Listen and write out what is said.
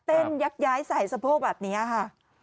ยักย้ายใส่สะโพกแบบนี้ค่ะ